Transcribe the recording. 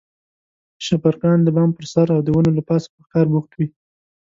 شپرکان د بام پر سر او د ونو له پاسه په ښکار بوخت وي.